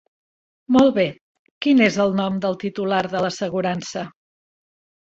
Molt bé, quin és el nom del titular de l'assegurança?